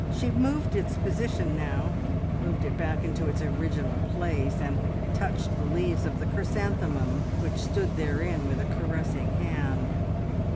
She moved its position now, moved it back into its original place, and touched the leaves of the chrysanthemum which stood therein with a caressing hand.